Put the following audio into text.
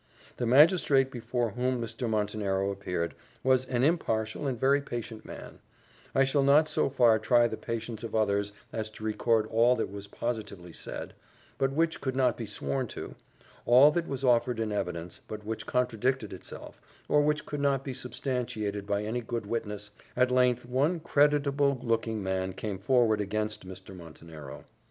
The magistrate before whom Mr. Montenero appeared was an impartial and very patient man: I shall not so far try the patience of others as to record all that was positively said, but which could not be sworn to all that was offered in evidence, but which contradicted itself, or which could not be substantiated by any good witness at length one creditable looking man came forward against Mr. Montenero.